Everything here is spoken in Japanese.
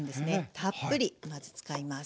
たっぷりまず使います。